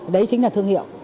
đấy chính là thương hiệu